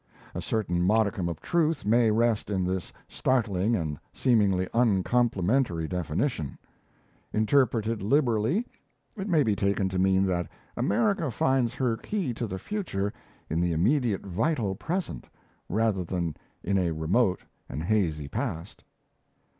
A certain modicum of truth may rest in this startling and seemingly uncomplimentary definition. Interpreted liberally, it may be taken to mean that America finds her key to the future in the immediate vital present, rather than in a remote and hazy past.